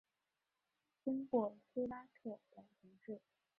经过苏拉特等城市。